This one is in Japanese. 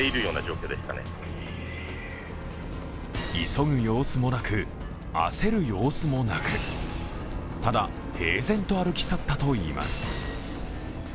急ぐ様子もなく、焦る様子もなく、ただ平然と歩き去ったといいます。